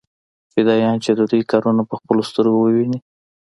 فدايان چې د دوى کارونه په خپلو سترګو وويني.